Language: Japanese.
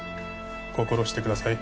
心してください。